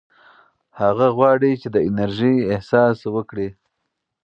هغه غواړي چې د انرژۍ احساس وکړي.